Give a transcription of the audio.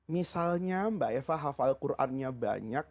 misalnya mbak eva hafal qurannya banyak